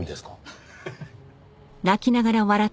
ハハハ。